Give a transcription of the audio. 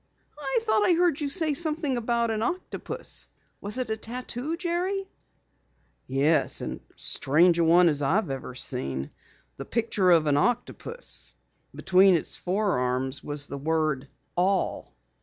"I thought I heard you say something about an octopus. Was it a tattoo, Jerry?" "Yes, and as strange a one as I've ever seen. The picture of an octopus. Between its forearms was the word: 'All.'"